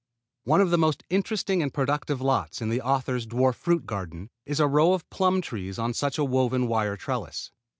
One of the most interesting and productive lots in the author's dwarf fruit garden is a row of plum trees on such a woven wire trellis.